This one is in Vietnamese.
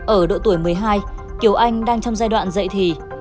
ở độ tuổi một mươi hai kiều anh đang trong giai đoạn dạy thì